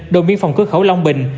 đồng biên phòng cư khẩu long bình